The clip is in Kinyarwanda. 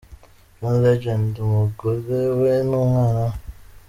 John Legend, umugore we n'umwana we.